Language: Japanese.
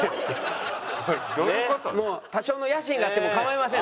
多少の野心があっても構いません。